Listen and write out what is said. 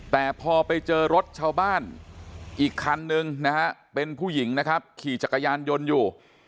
แต่พอไปเจอรถชาวบ้านอีกคันนึงนะฮะเป็นผู้หญิงนะครับขี่จักรยานยนต์อยู่